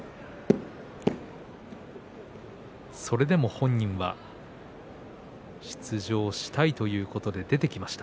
それでも本人は出場したいということで出てきました。